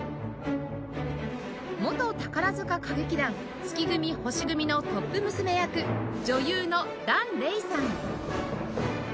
元宝塚歌劇団月組星組のトップ娘役女優の檀れいさん